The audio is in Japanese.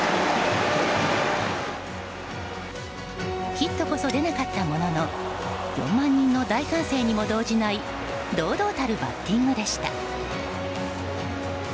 ヒットこそ出なかったものの４万人の大歓声にも動じない堂々たるバッティングでした。